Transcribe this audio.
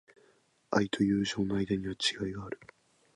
愛と友情の間には違いがある。